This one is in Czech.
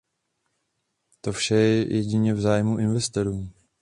To vše je jedině v zájmu investorů.